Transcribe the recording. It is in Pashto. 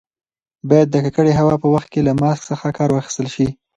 باید د ککړې هوا په وخت کې له ماسک څخه کار واخیستل شي.